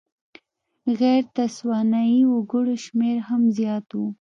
غیر تسوانایي وګړو شمېر هم زیات و.